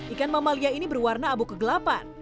ikan mamalia ini berwarna abu kegelapan